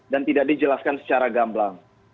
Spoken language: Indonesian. dan tidak dijelaskan secara gamblang